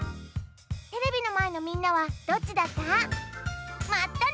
テレビのまえのみんなはどっちだった？